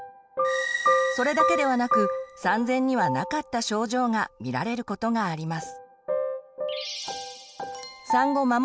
それだけではなく産前にはなかった症状が見られることがあります。